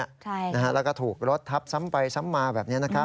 ใช่นะฮะแล้วก็ถูกรถทับซ้ำไปซ้ำมาแบบนี้นะครับ